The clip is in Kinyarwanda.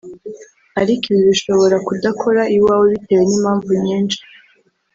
Ariko ibi bishobora kudakora iwawe bitewe n’impamvu nyinshi